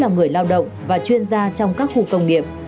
là người lao động và chuyên gia trong các khu công nghiệp